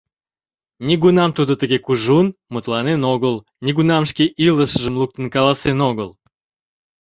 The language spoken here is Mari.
Нигунам тудо тыге кужун мутланен огыл, нигунам шке илышыжым луктын каласен огыл.